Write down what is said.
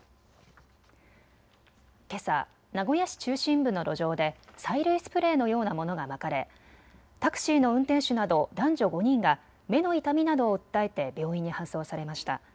けさ、名古屋市中心部の路上で催涙スプレーのようなものがまかれ、タクシーの運転手など男女５人が目の痛みなどを訴えて病院に搬送されました。